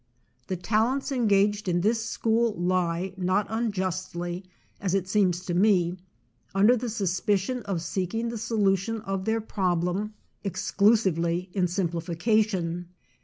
The talents engaged in this school lie, not unjustly, as it seems to me, under the suspicion of seeking the solution of their problem ex clusively in simplification.